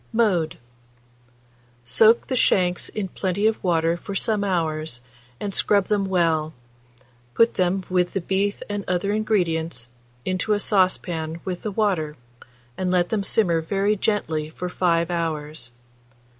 Mode. Soak the shanks in plenty of water for some hours, and scrub them well; put them, with the beef and other ingredients, into a saucepan with the water, and let them simmer very gently for 5 hours.